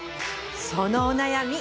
そのお悩み